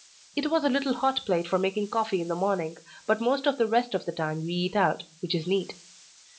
It has a little hot plate for making coffee in the morning, but most of the rest of the time we eat out, which is neat.